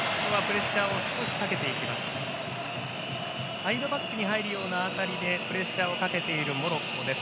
サイドバックにあたるようなところでプレッシャーをかけているモロッコです。